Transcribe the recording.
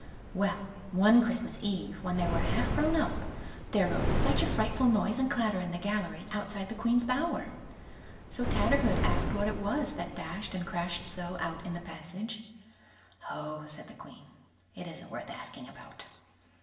Well, one Christmas eve, when they were half grown up, there rose such a frightful noise and clatter in the gallery outside the Queen's bower. So Tatterhood asked what it was that dashed and crashed so out in the passage. "Oh!" said the Queen, "it isn't worth asking about."